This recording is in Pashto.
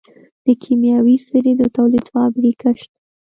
د کیمیاوي سرې د تولید فابریکه شته.